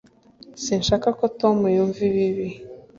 sinshaka ko tom yumva ibi